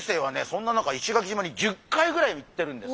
そんな中石垣島に１０回ぐらい行ってるんです。